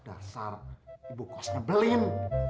dasar ibu kos nebelin